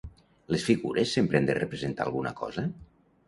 ¿Les figures sempre han de representar alguna cosa?